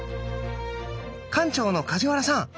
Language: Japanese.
館長の梶原さん！